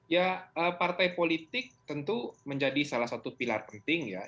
ya partai politik tentu menjadi salah satu pilar penting ya